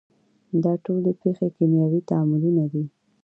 دا ټولې پیښې کیمیاوي تعاملونه دي.